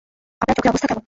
আপনার চোখের অবস্থা কেমন?